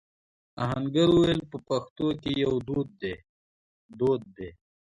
آهنګر وويل: په پښتنو کې يو دود دی.